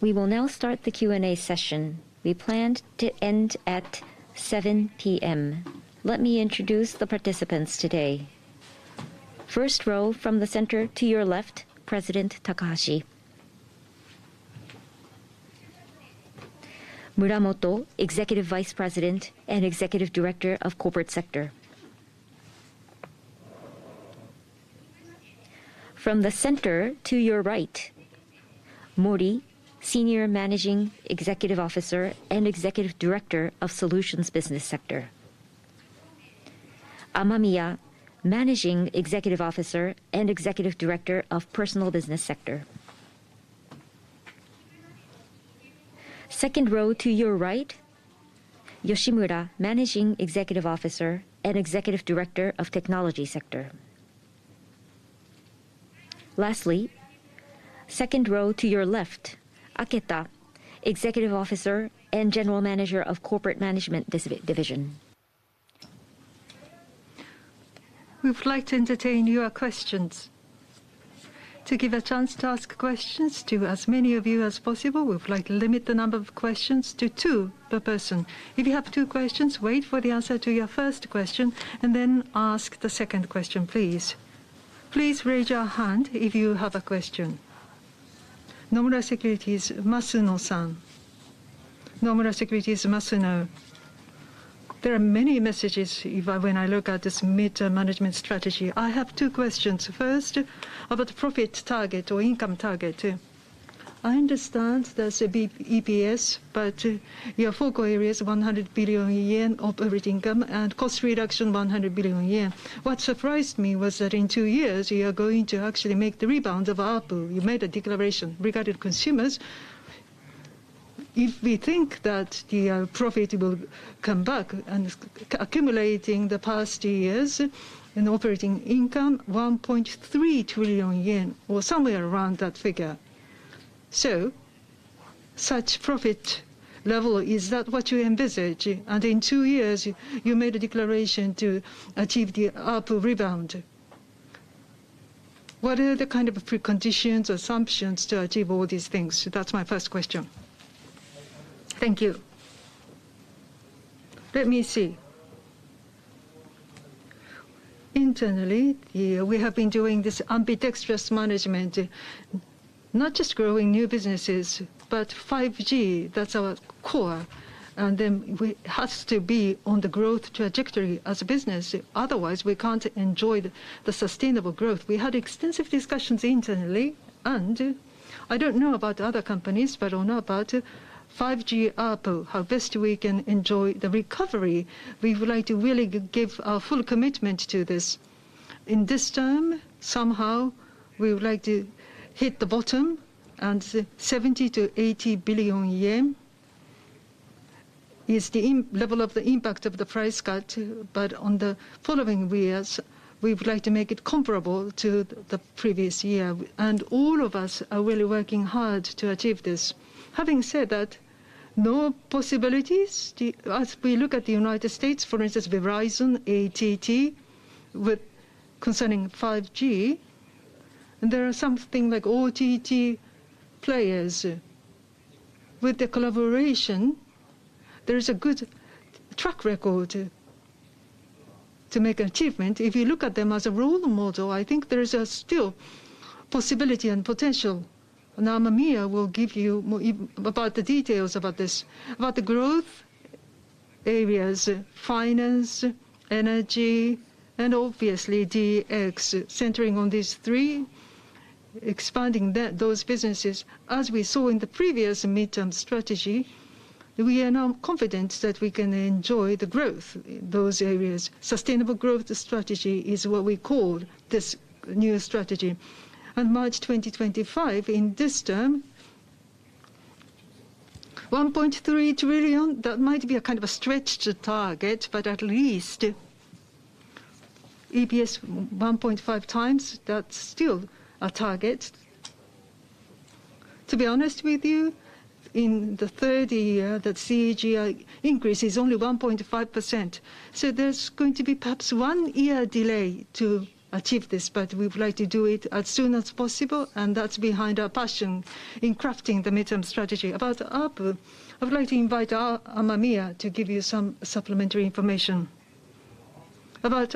We will now start the Q&A session. We plan to end at 7 p.m. Let me introduce the participants today. First row from the center to your left, President Takahashi. Muramoto, Executive Vice President and Executive Director of Corporate Sector. From the center to your right, Mori, Senior Managing Executive Officer and Executive Director of Solutions Business Sector. Amemiya, Managing Executive Officer and Executive Director of Personal Business Sector. Second row to your right, Yoshimura, Managing Executive Officer and Executive Director of Technology Sector. Lastly, second row to your left, Aketa, Executive Officer and General Manager of Corporate Management Division. We would like to entertain your questions. To give a chance to ask questions to as many of you as possible, we would like to limit the number of questions to two per person. If you have two questions, wait for the answer to your first question and then ask the second question, please. Please raise your hand if you have a question. Nomura Securities, Masuno-san. Nomura Securities, Masuno. There are many messages when I look at this mid-term management strategy. I have two questions. First, about profit target or income target. I understand there's a big EPS, but your focal area is 100 billion yen operating income, and cost reduction 100 billion yen. What surprised me was that in two years you are going to actually make the rebound of ARPU. You made a declaration regarding consumers. If we think that the profit will come back and accumulating the past years in operating income 1.3 trillion yen or somewhere around that figure. So such profit level, is that what you envisage? In two years, you made a declaration to achieve the ARPU rebound. What are the kind of preconditions or assumptions to achieve all these things? That's my first question. Thank you. Let me see. Internally, yeah, we have been doing this ambidextrous management. Not just growing new businesses, but 5G, that's our core, and then it has to be on the growth trajectory as a business, otherwise we can't enjoy the sustainable growth. We had extensive discussions internally. I don't know about other companies, but I know about 5G ARPU, how best we can enjoy the recovery. We would like to really give our full commitment to this. In this term, somehow, we would like to hit the bottom, and 70 billion-80 billion yen is the impact level of the price cut. On the following years, we would like to make it comparable to the previous year. All of us are really working hard to achieve this. Having said that, no possibilities. As we look at the United States, for instance, Verizon, AT&T, concerning 5G, there are something like OTT players. With the collaboration, there is a good track record to make an achievement. If you look at them as a role model, I think there is still possibility and potential. Now, Amemiya will give you more about the details about this. About the growth areas, finance, energy, and obviously DX, centering on these three, expanding that, those businesses, as we saw in the previous midterm strategy, we are now confident that we can enjoy the growth in those areas. Sustainable growth strategy is what we call this new strategy. March 2025, in this term, 1.3 trillion, that might be a kind of a stretched target, but at least EPS 1.5 times, that's still a target. To be honest with you, in the third year, the CAGR increase is only 1.5%, so there's going to be perhaps one year delay to achieve this, but we would like to do it as soon as possible, and that's behind our passion in crafting the midterm strategy. About ARPU, I would like to invite our Amemiya to give you some supplementary information. About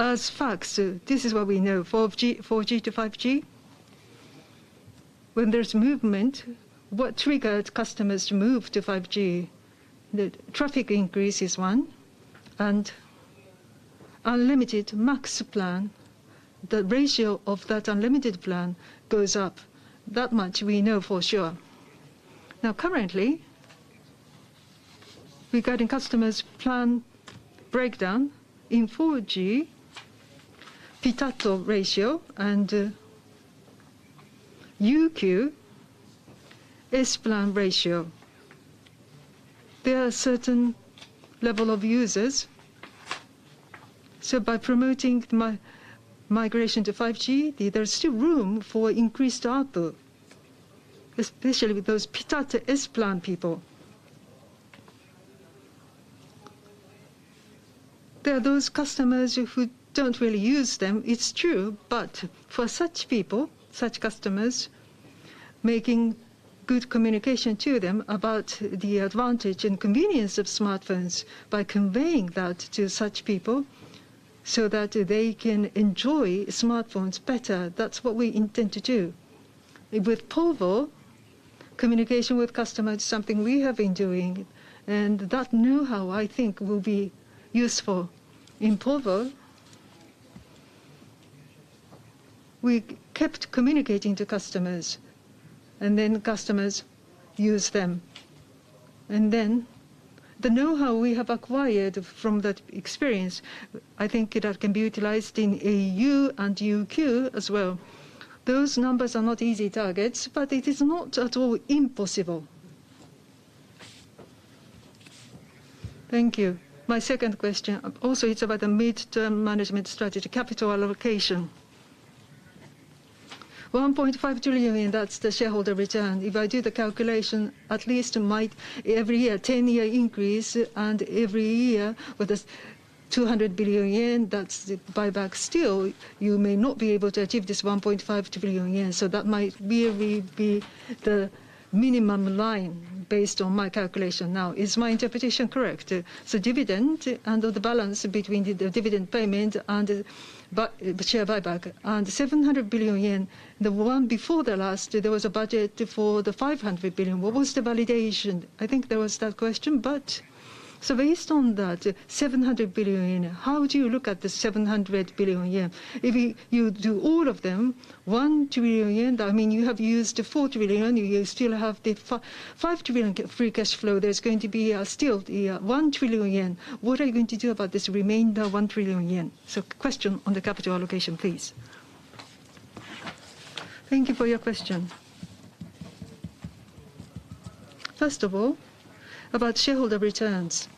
ARPU, as facts, this is what we know. 4G to 5G, when there's movement, what triggered customers to move to 5G? The traffic increase is one, and Unlimited MAX plan. The ratio of that Unlimited MAX plan goes up. That much we know for sure. Now, currently, regarding customers' plan breakdown in 4G Pitatto ratio and UQ S plan ratio, there are certain level of users. By promoting migration to 5G, there is still room for increased ARPU, especially with those Pitatto S plan people. There are those customers who don't really use them, it's true. For such people, such customers, making good communication to them about the advantage and convenience of smartphones by conveying that to such people so that they can enjoy smartphones better, that's what we intend to do With povo, communication with customers is something we have been doing, and that know-how, I think, will be useful. In povo, we kept communicating to customers, and then customers use them. Then the know-how we have acquired from that experience, I think that can be utilized in au and UQ as well. Those numbers are not easy targets, but it is not at all impossible. Thank you. My second question, also it's about the mid-term management strategy, capital allocation. 1.5 trillion, that's the shareholder return. If I do the calculation, at least it might every year, 10-year increase, and every year with this 200 billion yen, that's the buyback. Still, you may not be able to achieve this 1.5 trillion yen. That might really be the minimum line based on my calculation now. Is my interpretation correct? Dividend and the balance between the dividend payment and the share buyback. 700 billion yen, the one before the last, there was a budget for the 500 billion. What was the validation? I think there was that question. Based on that 700 billion yen, how do you look at the 700 billion yen? If you do all of them, 1 trillion yen, I mean, you have used 4 trillion, you still have the five trillion free cash flow. There's going to be still 1 trillion yen. What are you going to do about this remainder 1 trillion yen? Question on the capital allocation, please. Thank you for your question. First of all, about shareholder returns.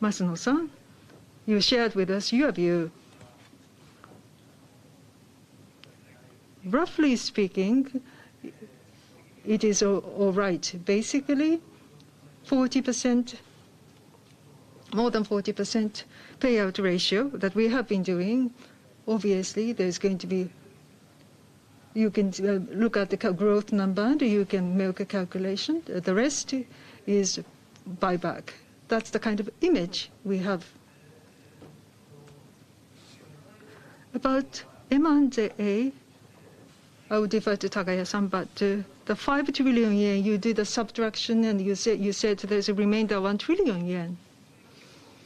Masuno-san, you shared with us your view. Roughly speaking, it is all right. Basically, 40%, more than 40% payout ratio that we have been doing. Obviously, there's going to be. You can look at the growth number, and you can make a calculation. The rest is buyback. That's the kind of image we have. About M&A, I will defer to Takaya-san. The 5 trillion yen, you did a subtraction, and you said there's a remainder 1 trillion yen.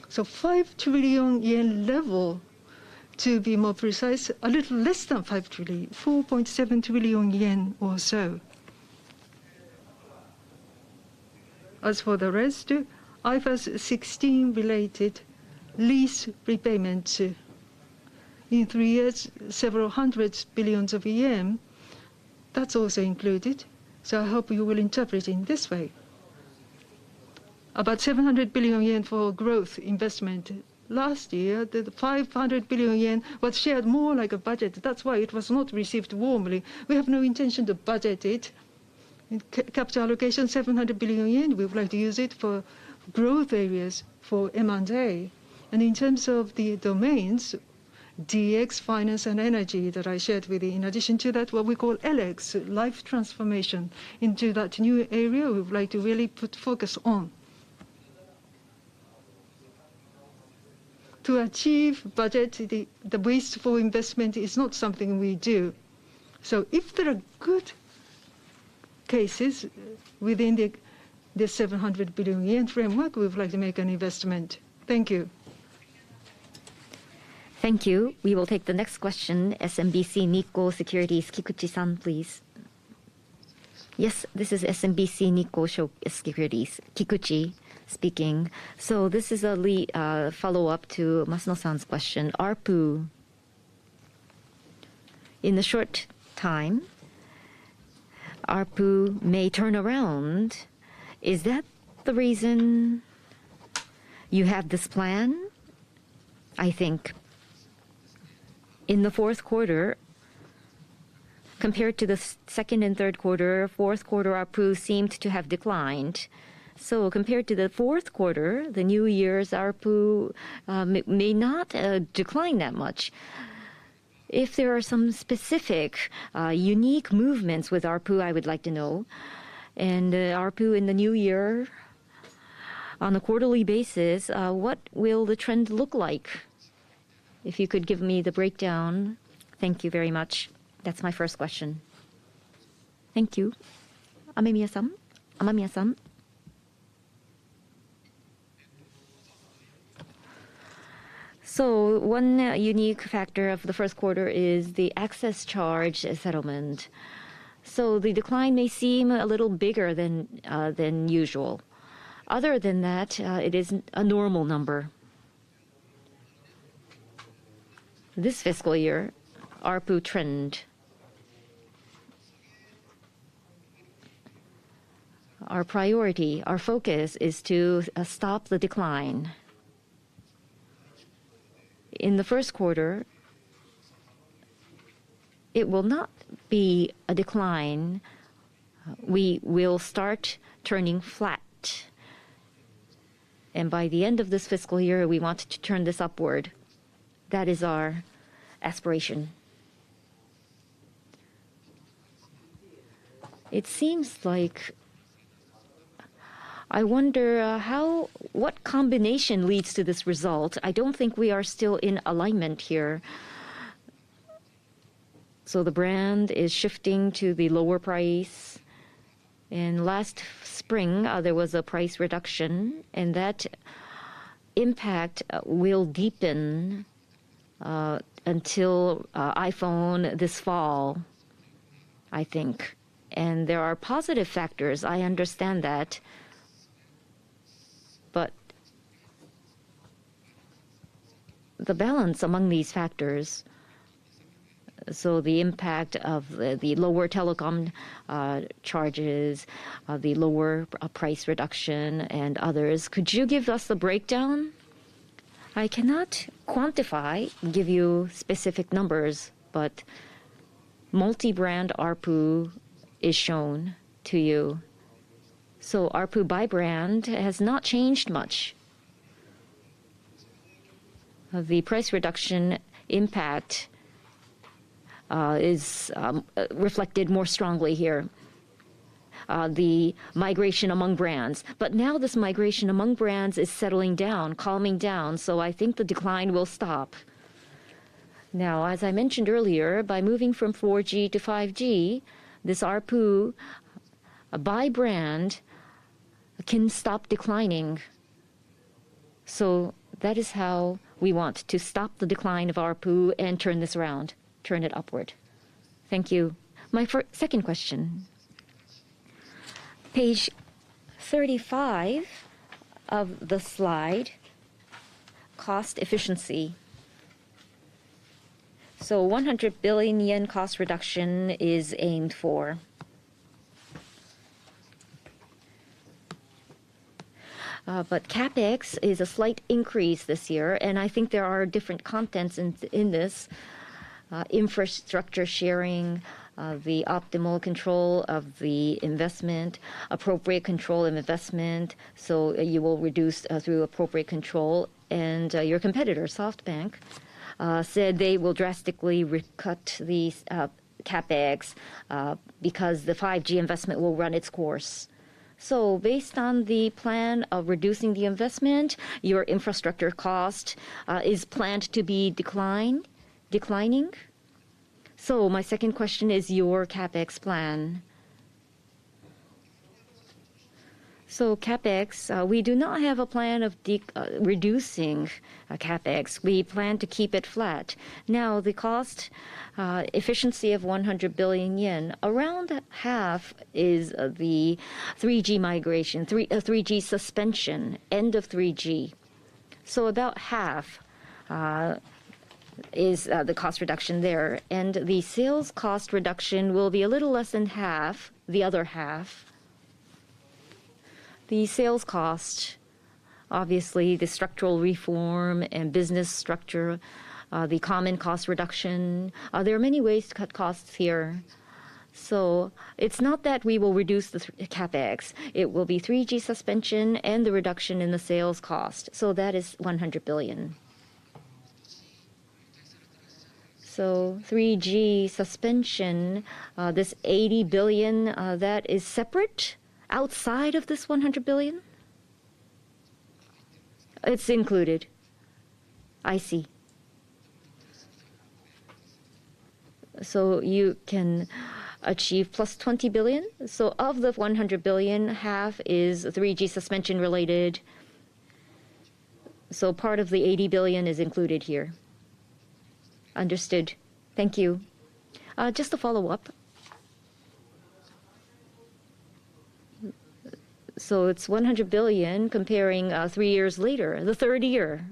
So 5 trillion yen level, to be more precise, a little less than 5 trillion, 4.7 trillion yen or so. As for the rest, IFRS 16 related lease repayments. In three years, several hundred billion yen, that's also included. I hope you will interpret in this way. About 700 billion yen for growth investment. Last year, the 500 billion yen was shared more like a budget. That's why it was not received warmly. We have no intention to budget it. Capital allocation, 700 billion yen, we would like to use it for growth areas for M&A. In terms of the domains, DX, finance and energy that I shared with you. In addition to that, what we call LX, life transformation. Into that new area, we would like to really put focus on. To achieve budget, the wasteful investment is not something we do. If there are good cases within the 700 billion yen framework, we would like to make an investment. Thank you. Thank you. We will take the next question, SMBC Nikko Securities, Kikuchi-san, please. Yes. This is SMBC Nikko Securities, Kikuchi speaking. This is a follow-up to Masuno-san's question. ARPU. In the short time, ARPU may turn around. Is that the reason you have this plan? I think in the fourth quarter, compared to the second and third quarter, fourth quarter ARPU seemed to have declined. Compared to the fourth quarter, the new year's ARPU may not decline that much. If there are some specific unique movements with ARPU, I would like to know. ARPU in the new year on a quarterly basis, what will the trend look like? If you could give me the breakdown. Thank you very much. That's my first question. Thank you. Amemiya-san. Amemiya-san. One unique factor of the first quarter is the access charge settlement. The decline may seem a little bigger than than usual. Other than that, it is a normal number. This fiscal year, ARPU trend. Our priority, our focus is to stop the decline. In the first quarter, it will not be a decline. We will start turning flat. By the end of this fiscal year, we want to turn this upward. That is our aspiration. It seems like I wonder what combination leads to this result? I don't think we are still in alignment here. The brand is shifting to the lower price. In last spring, there was a price reduction, and that impact will deepen until iPhone this fall, I think. There are positive factors, I understand that. The balance among these factors, so the impact of the lower telecom charges, the lower price reduction and others, could you give us the breakdown? I cannot quantify, give you specific numbers, multi-brand ARPU is shown to you. ARPU by brand has not changed much. The price reduction impact is reflected more strongly here, the migration among brands. Now this migration among brands is settling down, calming down, I think the decline will stop. Now, as I mentioned earlier, by moving from 4G to 5G, this ARPU by brand can stop declining. That is how we want to stop the decline of ARPU and turn this around, turn it upward. Thank you. My second question. Page 35 of the slide, cost efficiency. 100 billion yen cost reduction is aimed for. CapEx is a slight increase this year, and I think there are different contents in this infrastructure sharing, the optimal control of the investment, appropriate control investment, so you will reduce through appropriate control. Your competitor, SoftBank, said they will drastically cut the CapEx because the 5G investment will run its course. Based on the plan of reducing the investment, your infrastructure cost is planned to be declining? My second question is your CapEx plan. CapEx, we do not have a plan of reducing CapEx. We plan to keep it flat. Now, the cost efficiency of 100 billion yen, around half is the 3G migration, 3G suspension, end of 3G. About half is the cost reduction there. The sales cost reduction will be a little less than half, the other half. The sales cost, obviously the structural reform and business structure, the common cost reduction. There are many ways to cut costs here. It's not that we will reduce CapEx. It will be 3G suspension and the reduction in the sales cost. That is 100 billion. 3G suspension, this 80 billion, that is separate outside of this 100 billion? It's included. I see. You can achieve +20 billion. Of the 100 billion, half is 3G suspension-related. Part of the 80 billion is included here. Understood. Thank you. Just to follow up. It's 100 billion comparing, three years later, the third year,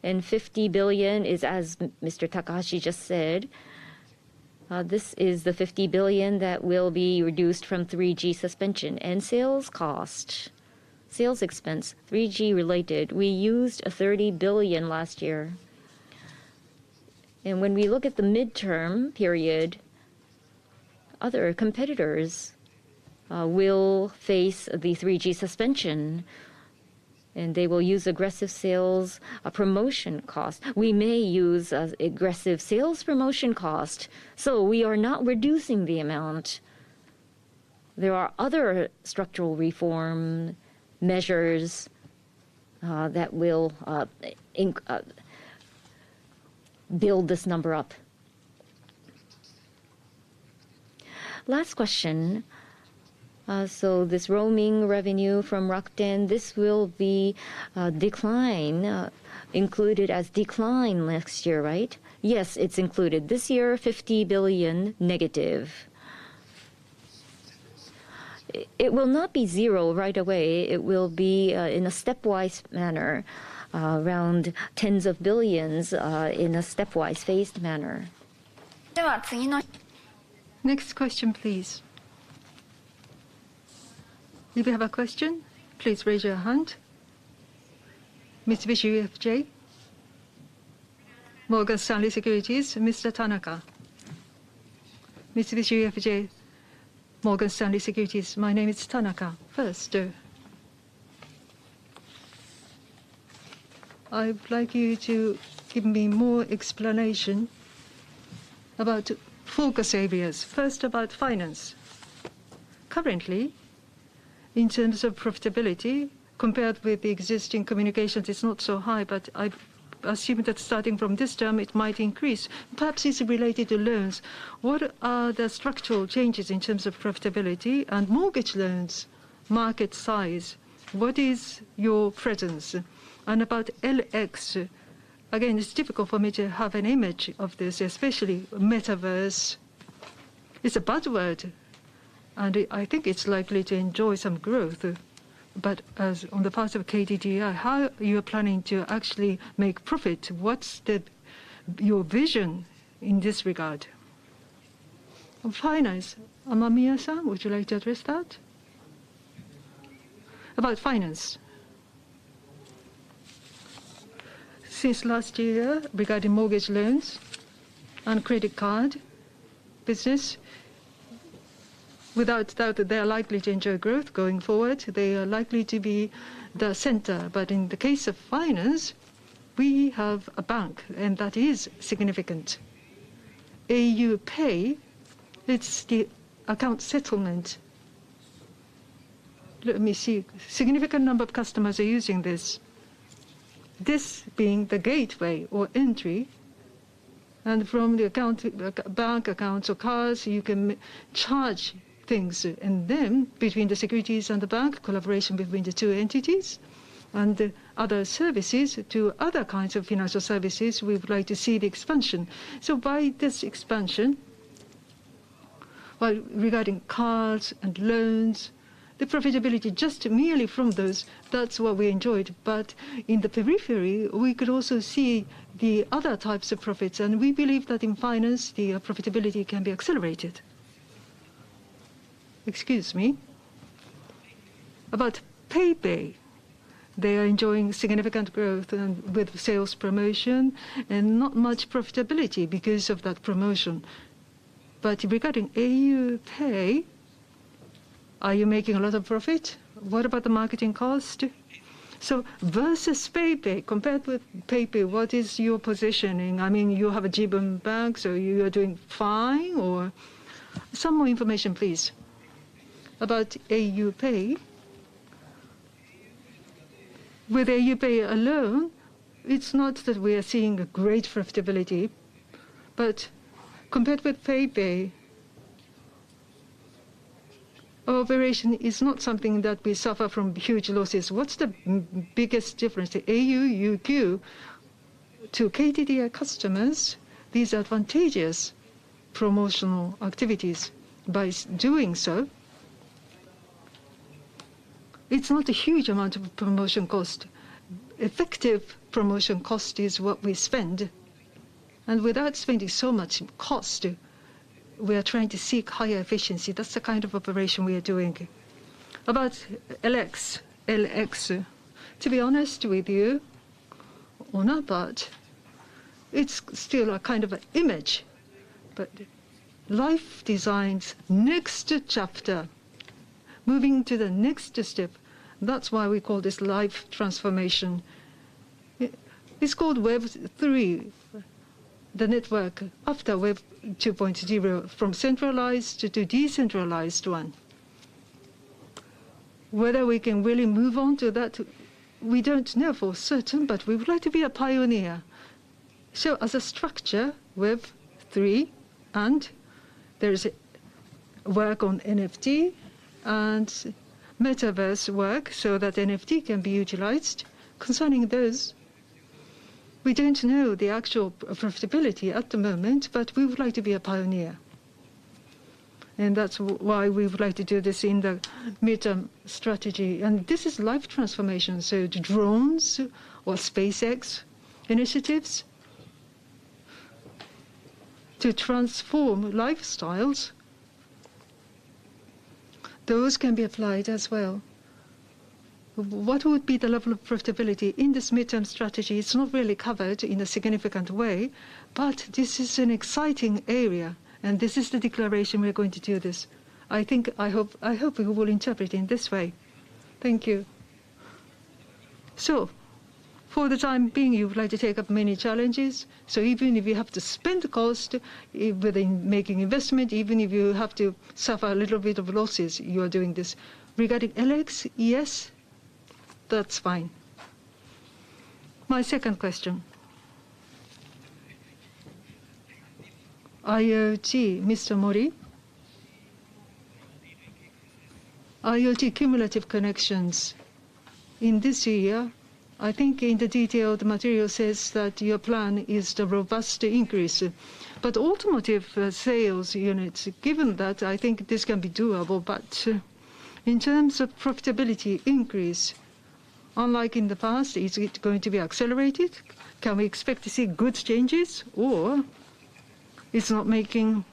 and 50 billion is, as Mr. Takahashi just said, this is the 50 billion that will be reduced from 3G suspension and sales cost. Sales expense, 3G-related, we used 30 billion last year. When we look at the midterm period, other competitors will face the 3G suspension, and they will use aggressive sales promotion cost. We may use aggressive sales promotion cost. We are not reducing the amount. There are other structural reform measures that will build this number up. Last question. This roaming revenue from Rakuten, this will be decline included as decline last year, right? Yes, it's included. This year, -50 billion. It will not be zero right away. It will be in a stepwise manner, around tens of billions, in a stepwise phased manner. Next question, please. If you have a question, please raise your hand. Mitsubishi UFJ Morgan Stanley Securities, Mr. Tanaka. My name is Tanaka. First, I would like you to give me more explanation about focus areas. First, about finance. Currently, in terms of profitability, compared with the existing communications, it's not so high, but I assume that starting from this term, it might increase. Perhaps it's related to loans. What are the structural changes in terms of profitability and mortgage loans market size? What is your presence? About LX. Again, it's difficult for me to have an image of this, especially Metaverse. It's a buzzword, and I think it's likely to enjoy some growth. But as on the part of KDDI, how are you planning to actually make profit? What's the, your vision in this regard? On finance, Amemiya-san, would you like to address that? About finance. Since last year, regarding mortgage loans and credit card business, without doubt they are likely to enjoy growth going forward. They are likely to be the center. In the case of finance, we have a bank, and that is significant, au PAY, it's the account settlement. Let me see. Significant number of customers are using this. This being the gateway or entry, and from the account, bank accounts or cards, you can charge things in them between the securities and the bank, collaboration between the two entities. Other services to other kinds of financial services, we would like to see the expansion. By this expansion, by regarding cards and loans, the profitability just merely from those, that's what we enjoyed. In the periphery, we could also see the other types of profits, and we believe that in finance, the profitability can be accelerated. Excuse me. About PayPay. They are enjoying significant growth and with sales promotion and not much profitability because of that promotion. Regarding au PAY, are you making a lot of profit? What about the marketing cost? Versus PayPay, compared with PayPay, what is your positioning? I mean, you have a Jibun Bank, so you are doing fine or. Some more information, please. About au PAY. With au PAY alone, it's not that we are seeing a great profitability, but compared with PayPay, our operation is not something that we suffer from huge losses. What's the biggest difference? au UQ to KDDI customers, these advantageous promotional activities, by doing so, it's not a huge amount of promotion cost. Effective promotion cost is what we spend. Without spending so much cost, we are trying to seek higher efficiency. That's the kind of operation we are doing. About LX. To be honest with you, on that part, it's still a kind of image. Life Design's next chapter, moving to the next step. That's why we call this life transformation. It's called Web3, the network after Web 2.0, from centralized to decentralized one. Whether we can really move on to that, we don't know for certain, but we would like to be a pioneer. As a structure, Web3, and there is work on NFT and Metaverse work so that NFT can be utilized. Concerning those, we don't know the actual profitability at the moment, but we would like to be a pioneer. That's why we would like to do this in the midterm strategy. This is life transformation, so drones or SpaceX initiatives to transform lifestyles, those can be applied as well. What would be the level of profitability in this midterm strategy? It's not really covered in a significant way, but this is an exciting area, and this is the declaration we are going to do this. I think, I hope you will interpret in this way. Thank you. For the time being, you would like to take up many challenges, so even if you have to spend cost within making investment, even if you have to suffer a little bit of losses, you are doing this. Regarding LX, yes, that's fine. My second question. IoT, Mr. Mori. IoT cumulative connections in this year, I think in the detailed material says that your plan is to robust increase. But automotive sales units, given that, I think this can be doable. But in terms of profitability increase, unlike in the past, is it going to be accelerated? Can we expect to see good changes? You're not making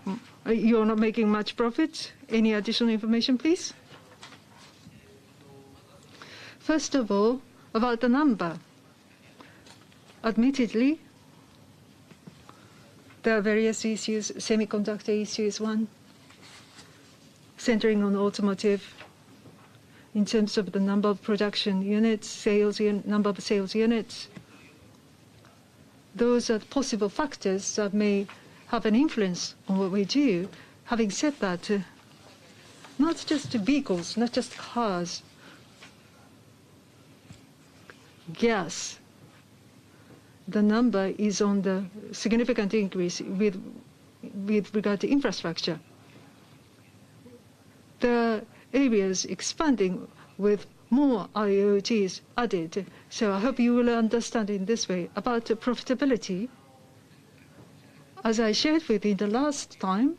much profit. Any additional information, please? First of all, about the number. Admittedly, there are various issues, semiconductor issue is one, centering on automotive in terms of the number of production units, sales unit, number of sales units. Those are possible factors that may have an influence on what we do. Having said that, not just vehicles, not just cars. Gas, the number is on the significant increase with regard to infrastructure. The area is expanding with more IoTs added, so I hope you will understand in this way. About profitability, as I shared with you the last time,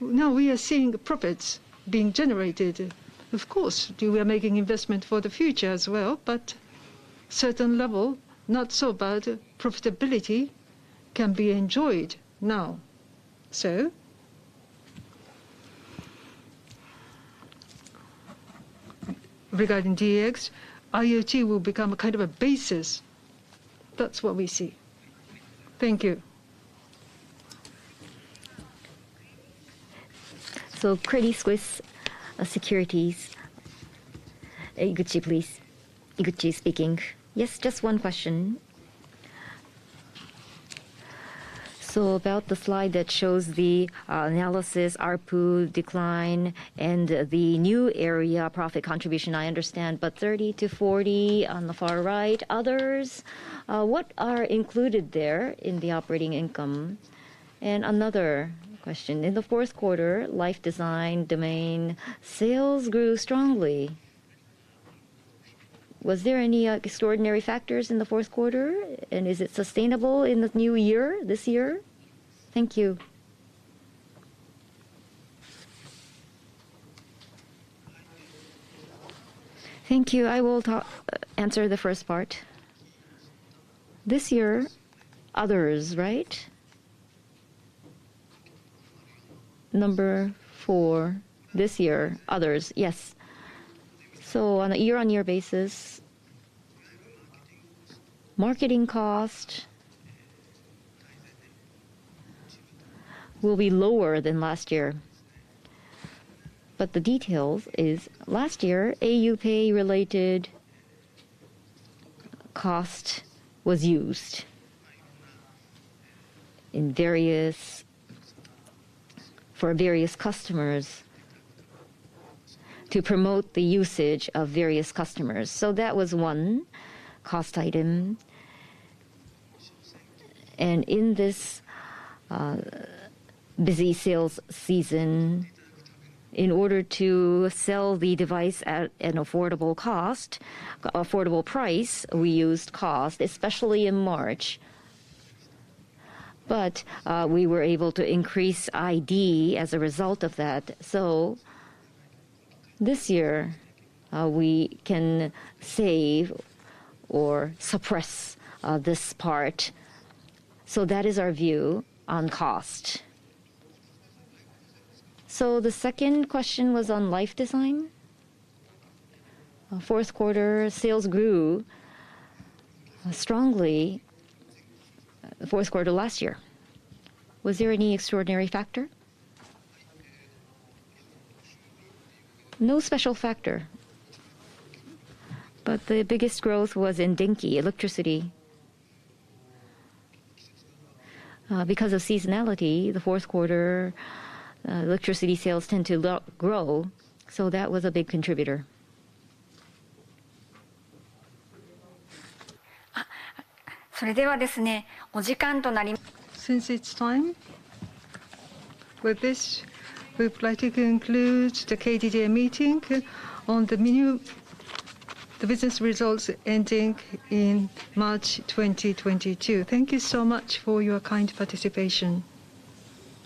now we are seeing profits being generated. Of course, we are making investment for the future as well, but certain level, not so bad profitability can be enjoyed now. Regarding DX, IoT will become a kind of a basis. That's what we see. Thank you. Credit Suisse Securities, Eguchi please. Eguchi speaking. Yes, just one question. About the slide that shows the analysis, ARPU decline and the new area profit contribution, I understand, but 30-40 on the far right, others, what are included there in the operating income? And another question, in the fourth quarter, Life Design Domain sales grew strongly. Was there any extraordinary factors in the fourth quarter, and is it sustainable in the new year, this year? Thank you. Thank you. I will talk, answer the first part. This year, others, right? Number four this year, others. Yes. On a year-on-year basis, marketing cost will be lower than last year. The details is last year, au PAY related cost was used in various, for various customers to promote the usage of various customers. That was one cost item. In this busy sales season, in order to sell the device at an affordable cost, affordable price, we used cost, especially in March. We were able to increase ID as a result of that. This year, we can save or suppress this part. That is our view on cost. The second question was on Life Design. Fourth quarter sales grew strongly, fourth quarter last year. Was there any extraordinary factor? No special factor, but the biggest growth was in Denki, electricity. Because of seasonality, the fourth quarter, electricity sales tend to grow, so that was a big contributor. Since it's time, with this, we would like to conclude the KDDI meeting on the business results ending in March 2022. Thank you so much for your kind participation.